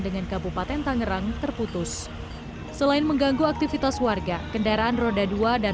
dengan kabupaten tangerang terputus selain mengganggu aktivitas warga kendaraan roda dua dan